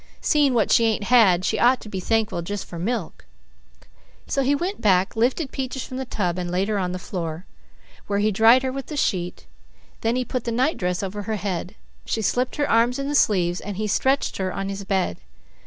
Seeing what she ain't had, she ought to be thankful for just milk." So he went back, lifted Peaches from the tub and laid her on the floor, where he dried her with the sheet. Then he put the nightdress over her head, she slipped her arms in the sleeves, and he stretched her on his bed.